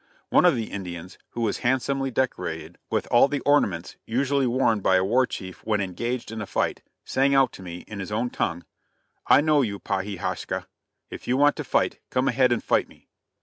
One of the Indians, who was handsomely decorated with all the ornaments usually worn by a war chief when engaged in a fight, sang out to me, in his own tongue: "I know you, Pa he haska; if you want to fight, come ahead and fight me."